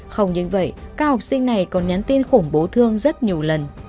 không những vậy các học sinh này còn nhắn tin khủng bố thương rất nhiều lần